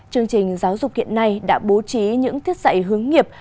chương trình giáo dục hiện nay đã bố trí những thiết dạy hướng nghiệp